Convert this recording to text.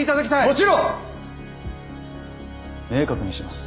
もちろん明確にします。